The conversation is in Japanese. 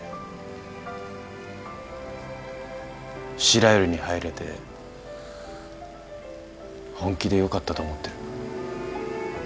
白百合に入れて本気でよかったと思ってる。